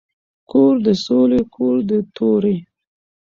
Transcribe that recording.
کور د ســــولي کـــــور د تَُوري